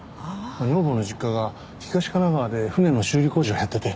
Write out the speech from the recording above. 女房の実家が東神奈川で船の修理工場をやってて。